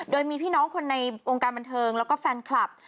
โดยมีพี่น้องคนในวงการบันเทิงแล้วก็แฟนคลับ